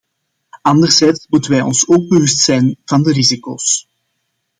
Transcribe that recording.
Anderzijds moeten wij ons ook bewust zijn van de risico's.